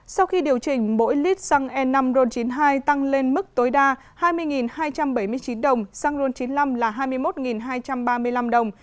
sau khi điều chỉnh mỗi lít xăng e năm ron chín mươi hai tăng lên mức tối đa hai mươi hai trăm bảy mươi chín đồng xăng ron chín mươi năm là hai mươi một hai trăm ba mươi năm đồng